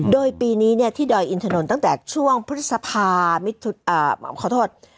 โดยปีนี้ที่ดอยอินถนนตั้งแต่ช่วงพฤษภาขอโทษ